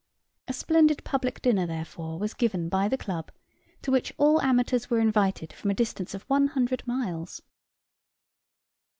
A splendid public dinner, therefore, was given by the club; to which all amateurs were invited from a distance of one hundred miles.